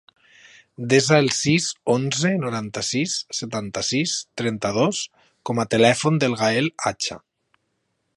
Desa el sis, onze, noranta-sis, setanta-sis, trenta-dos com a telèfon del Gael Acha.